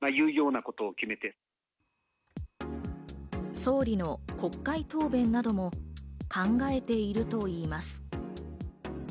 総理の国会答弁なども考えているといいます。